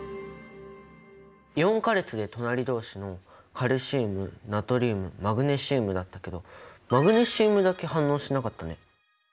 イオン化列で隣同士のカルシウムナトリウムマグネシウムだったけどマグネシウムだけ反応しなかったね。